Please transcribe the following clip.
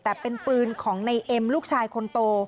แต่เป็นปืนของในเอ็มลูกชายคนโต